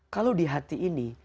kalau di hati ini